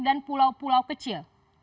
atau pulau kecil